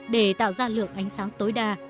để tạo ra lượng ánh sáng tối đa